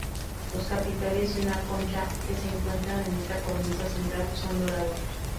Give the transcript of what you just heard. Los capiteles y una concha que se encuentran en esta cornisa central son dorados.